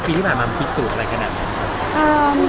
๓ปีที่มาพิสูจน์อะไรขนาดนี้